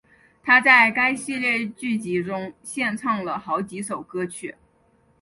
她在该系列剧集中献唱了好几首歌曲。